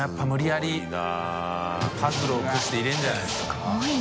すごいな。